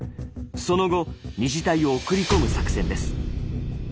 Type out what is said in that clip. その後２次隊を送り込む作戦です。